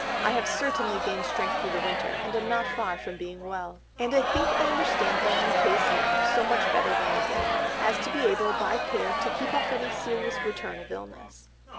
I have certainly gained strength through the winter, and am not far from being well. And I think I understand my own case now so much better than I did, as to be able by care to keep off any serious return of illness."